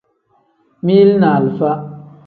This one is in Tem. Mili ni alifa.